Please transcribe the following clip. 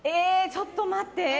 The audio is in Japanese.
ちょっと待って！